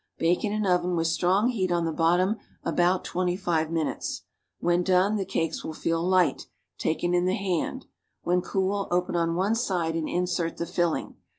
Bake in an oven with strong heat on the bottom about 2.5 minutes. When done the cakes will feel light, taken in the hand; when cool, open on one side and insert the filling.